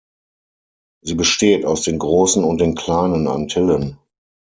Sie besteht aus den Großen und den Kleinen Antillen.